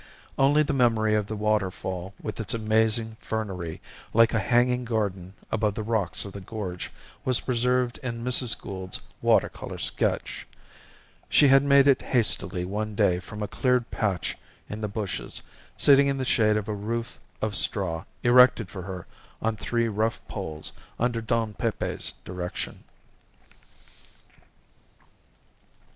Only the memory of the waterfall, with its amazing fernery, like a hanging garden above the rocks of the gorge, was preserved in Mrs. Gould's water colour sketch; she had made it hastily one day from a cleared patch in the bushes, sitting in the shade of a roof of straw erected for her on three rough poles under Don Pepe's direction.